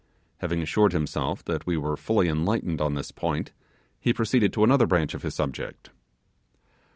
Having assured himself that we were fully enlightened on this point, he proceeded to another branch of his subject.